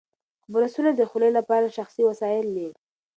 برسونه د خولې لپاره شخصي وسایل دي.